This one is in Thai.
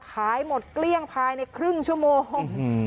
ขายหมดเกลี้ยงภายในครึ่งชั่วโมง